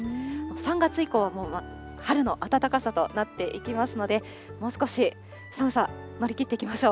３月以降はもう春の暖かさとなっていきますので、もう少し、寒さ乗り切っていきましょう。